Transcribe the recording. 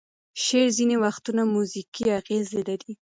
شعر ځینې وختونه موزیکي اغیز لري.